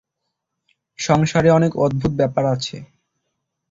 সংসারে অনেক অদ্ভুত ব্যাপার আছে।